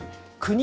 国？